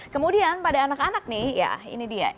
kemudian pada anak anak nih ya ini dia